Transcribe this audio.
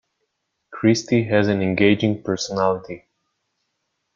Christy has an engaging personality.